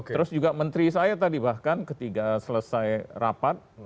terus juga menteri saya tadi bahkan ketika selesai rapat